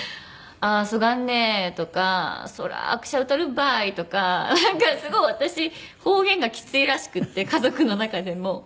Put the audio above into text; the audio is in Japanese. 「ああーそがんね」とか「そらあくしゃうっとるばい」とかなんかすごい私方言がきついらしくって家族の中でも。